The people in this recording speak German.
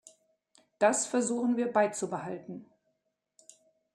Das versuchen wir beizubehalten.